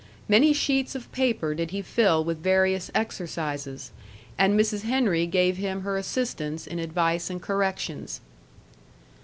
Many sheets of paper did he fill with various exercises, and Mrs. Henry gave him her assistance in advice and corrections.